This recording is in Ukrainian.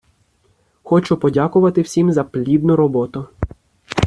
Хочу подякувати всім за плідну роботу!